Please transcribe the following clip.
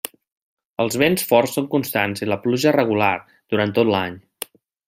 Els vents forts són constants i la pluja és regular durant tot l'any.